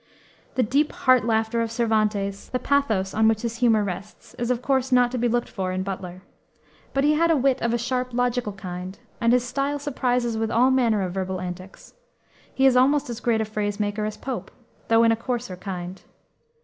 The deep heart laughter of Cervantes, the pathos on which his humor rests, is, of course, not to be looked for in Butler. But he had wit of a sharp, logical kind, and his style surprises with all manner of verbal antics. He is almost as great a phrase master as Pope, though in a coarser kind.